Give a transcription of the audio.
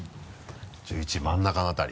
１１位真ん中の辺り。